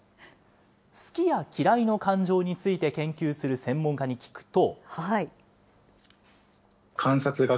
好きや嫌いの感情について研究する専門家に聞くと。